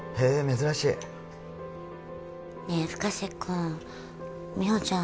珍しいねえ深瀬君美穂ちゃん